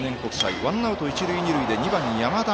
１ノーアウト、一塁二塁で２番、山田。